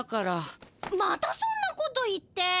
またそんなこと言って！